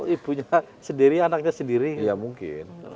ibunya sendiri anaknya sendiri ya mungkin